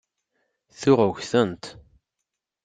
Tuɣ ggtent.